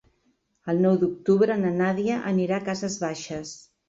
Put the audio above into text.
El nou d'octubre na Nàdia anirà a Cases Baixes.